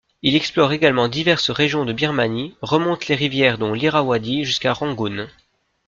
Il explore également diverses régions de Birmanie, remonte les rivières dont l’Irrawadi jusqu’à Rangoon.